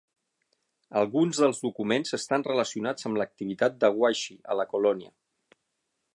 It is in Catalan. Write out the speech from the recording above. Alguns dels documents estan relacionats amb l'activitat de Wyche a la colònia.